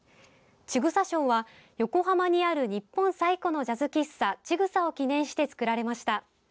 ちぐさ賞は、横浜にある日本最古のジャズ喫茶「ちぐさ」を記念して作られました。